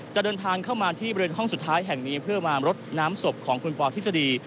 จะเดินทางเข้ามาที่บริเวณห้องสุดท้ายแห่งนี้เพื่อมารดน้ำศพของคุณปอทฤษฎี